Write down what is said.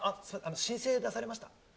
申請出されました？